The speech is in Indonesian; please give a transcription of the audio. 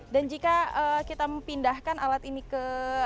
dan jika kita mempindahkan alat ini ke